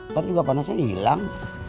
ntar juga panasnya hilang